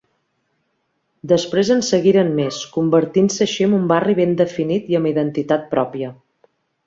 Després en seguiren més, convertint-se així amb un barri ben definit i amb identitat pròpia.